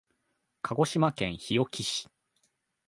鹿児島県日置市